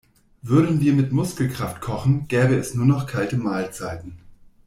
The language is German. Würden wir mit Muskelkraft kochen, gäbe es nur noch kalte Mahlzeiten.